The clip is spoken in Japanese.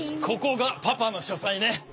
ここがパパの書斎ね。